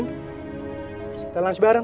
terus kita lunch bareng